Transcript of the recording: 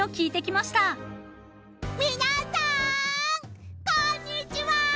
皆さんこんにちは。